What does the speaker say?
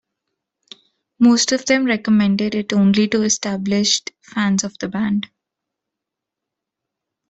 Most of them recommended it only to established fans of the band.